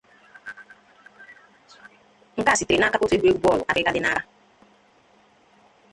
Nkea sitere n'aka otu egwuregwu bọọlụ Afrịka dị n'aka